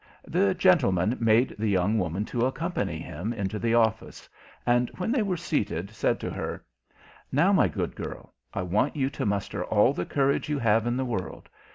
The gentleman made the young woman accompany him into the office, and, when they were seated, said to her, "Now, my good girl, I want you to muster all the courage you have in the world.